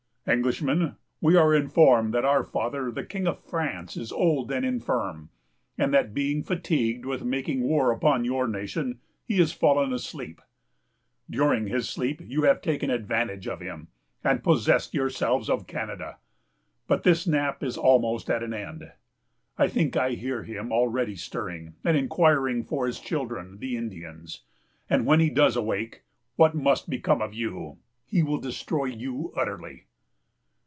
"'Englishman, we are informed that our father, the King of France, is old and infirm; and that, being fatigued with making war upon your nation, he is fallen asleep. During his sleep you have taken advantage of him, and possessed yourselves of Canada. But his nap is almost at an end. I think I hear him already stirring, and inquiring for his children, the Indians; and when he does awake, what must become of you? He will destroy you utterly.